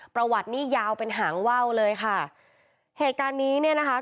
ประวัตินี้ยาวเป็นหางว่าวเลยค่ะเหตุการณ์นี้เนี่ยนะคะ